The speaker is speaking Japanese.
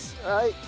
はい。